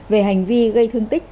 về hành vi gây thương tích